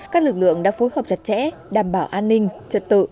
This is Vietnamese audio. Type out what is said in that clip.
các lực lượng đã phối hợp chặt chẽ đảm bảo an ninh trật tự